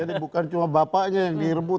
jadi bukan cuma bapaknya yang direbut